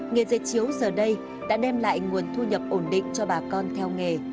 nghề dây chiếu giờ đây đã đem lại nguồn thu nhập ổn định cho bà con theo nghề